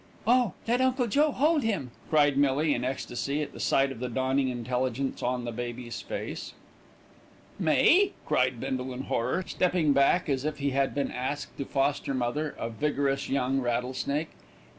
"Oh! let Uncle Joe hold him," cried Millie, in ecstasy at the sight of the dawning intelligence on the baby's face. "Me!" cried Bindle in horror, stepping back as if he had been asked to foster mother a vigorous young rattlesnake.